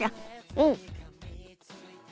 うん！